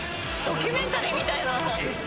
ドキュメンタリーみたいな。